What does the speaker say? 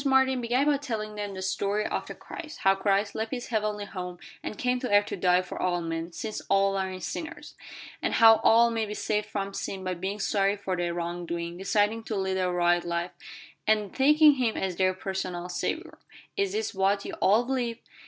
Martin began by telling them the story of the Christ how Christ left His heavenly home, and came to earth to die for all men, since all are sinners; and how all may be saved from sin by being sorry for their wrong doing, deciding to lead a right life, and taking Him as their personal Saviour. "Is this what you all believe?"